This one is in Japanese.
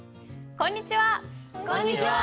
こんにちは！